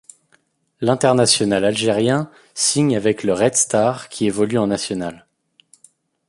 L'international algérien signe avec le Red Star qui évolue en National.